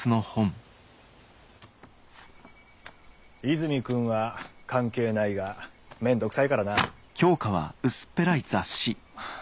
泉君は関係ないがめんどくさいからな。